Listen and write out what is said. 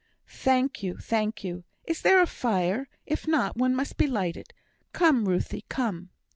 "Thank you, thank you. Is there a fire? if not, one must be lighted. Come, Ruthie, come."